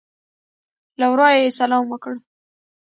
له ورایه یې سلام وکړ.